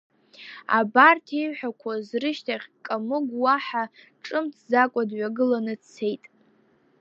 Абарҭ ииҳәақәаз рышьҭахь, Камыгә уаҳа ҿымҭӡакәа, дҩагыланы дцеит.